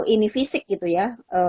ini fisik gitu ya